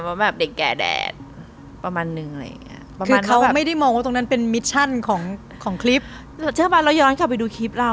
ว่าแบบเด็กแก่แดดประมาณนึงอะไรอย่างเงี้ยคือเขาไม่ได้มองว่าตรงนั้นเป็นมิชชั่นของของคลิปเชื่อป่ะเราย้อนกลับไปดูคลิปเรา